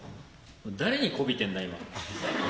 誰に媚びてんだ、今。